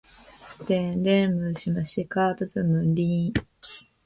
電電ムシムシかたつむり